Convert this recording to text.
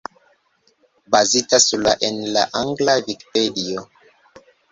Bazita sur la en la angla Vikipedio.